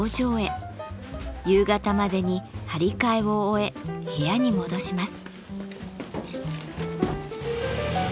夕方までに張り替えを終え部屋に戻します。